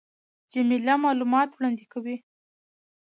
جمله معلومات وړاندي کوي.